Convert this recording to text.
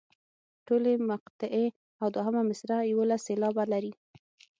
ټولې مقطعې او دوهمه مصرع یوولس سېلابونه لري.